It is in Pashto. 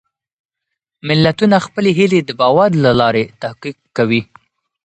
ملتونه خپلې هېلې د باور له لارې تحقق کوي.